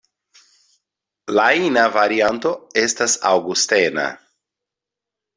La ina varianto estas Aŭgustena.